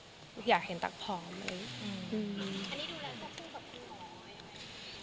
อันนี้ดูแล้วตั๊กพูดกับคุณหมออย่างไร